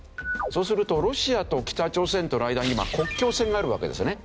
そうするとロシアと北朝鮮との間に今国境線があるわけですよね。